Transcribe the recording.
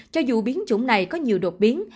cho dù biến chủng này có nhiều đột biến